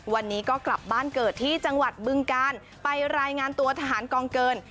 วันนี้ก็กลับบ้านเกิดที่จังหวัดบึงการไปรายงานตัวทหารกองเกิน